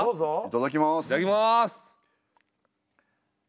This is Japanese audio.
いただきます！